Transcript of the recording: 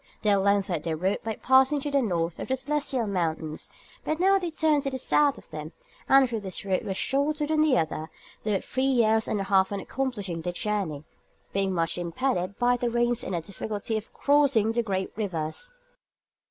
They had lengthened their route by passing to the north of the celestial mountains, but now they turned to the south of them, and though this route was shorter than the other, they were three years and a half in accomplishing their journey, being much impeded by the rains and the difficulty of crossing the great rivers.